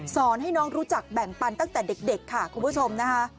สอนให้น้องรู้จักแบ่งปันตั้งแต่เด็กค่ะคุณผู้ชมนะคะ